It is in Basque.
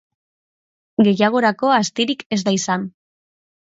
Gehiagorako astirik ez da izan.